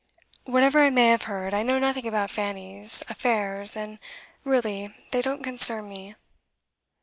'Whatever I may have heard, I know nothing about Fanny's, affairs, and, really, they don't concern me.